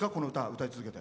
歌い続けて。